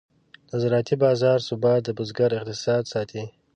د زراعتي بازار ثبات د بزګر اقتصاد ساتي.